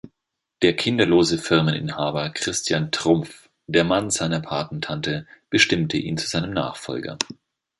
Der kinderlose Firmeninhaber Christian Trumpf, der Mann seiner Patentante, bestimmte ihn zu seinem Nachfolger.